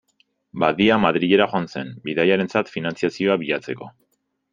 Badia Madrilera joan zen, bidaiarentzat finantziazioa bilatzeko.